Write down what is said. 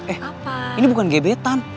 eh ini bukan gebetan